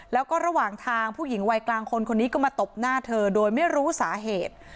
แล้วก็ระหว่างทางผู้หญิงวัยกลางคนคนนี้ก็มาตบหน้าเธอโดยไม่รู้สาเหตุ